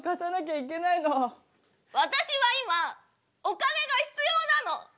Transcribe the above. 私は今お金が必要なの。